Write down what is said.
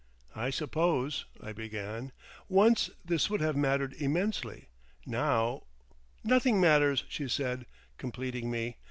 "I suppose," I began, "once, this would have mattered immensely. Now—" "Nothing matters," she said, completing me.